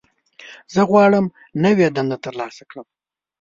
زه غواړم نوې دنده ترلاسه کړم.